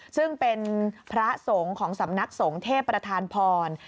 ซึ่งเป็นพระสงฆ์ของสำนักสงฆ์เทพประธานพร